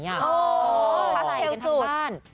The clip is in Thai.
พักเอ๊ยวสุด